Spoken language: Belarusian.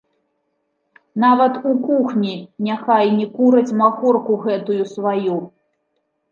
Нават у кухні няхай не кураць махорку гэтую сваю.